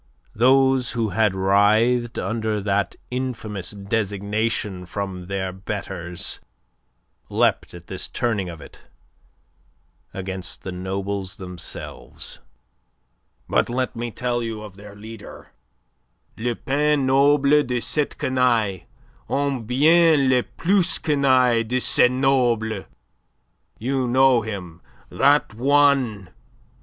Those who had writhed under that infamous designation from their betters leapt at this turning of it against the nobles themselves. "But let me tell you of their leader le pins noble de cette canaille, ou bien le plus canaille de ces nobles! You know him that one.